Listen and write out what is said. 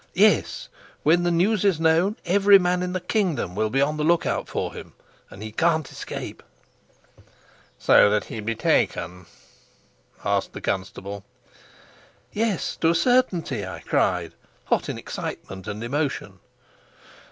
"Yes: when the news is known, every man in the kingdom will be on the lookout for him, and he can't escape." "So that he'd be taken?" asked the constable. "Yes, to a certainty," I cried, hot in excitement and emotion.